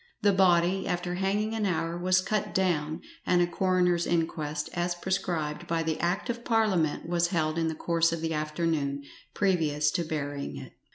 The body, after hanging an hour, was cut down, and a coroner's inquest, as prescribed by the Act of Parliament, was held in the course of the afternoon, previous to burying it.